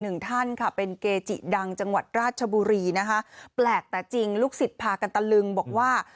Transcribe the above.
หนึ่งท่านค่ะเป็นเกจิดังจังหวัดราชบุรีนะคะแปลกแต่จริงลูกศิษย์พากันตะลึงบอกว่า